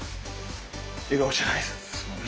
笑顔じゃないですもんね。